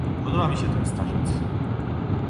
"podoba mi się ten starzec!..."